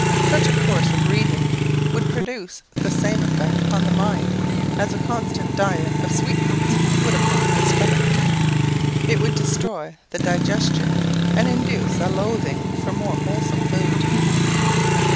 Such a course of reading would produce the same effect upon the mind as a constant diet of sweetmeats would upon the stomach; it would destroy the digestion, and induce a loathing for more wholesome food.